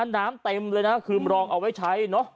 น้ำเต็มเลยคือมองเอาไว้ใช้